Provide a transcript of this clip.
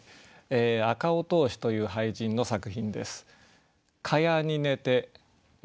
赤尾兜子という俳人の作品です。